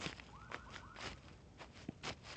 تیمورشاه غوښتل زوی ډهلي پر تخت کښېنوي.